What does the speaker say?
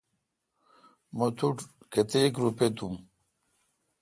مہ تو ٹھ کتیک روپے دوم۔